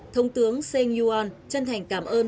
thống tướng sen yuan chân thành cảm ơn